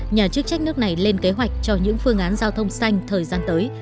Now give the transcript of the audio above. nhà chức trách nước này lên kế hoạch cho những phương án giao thông xanh thời gian tới